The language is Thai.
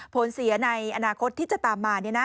ผลเสียในอนาคตที่จะตามมา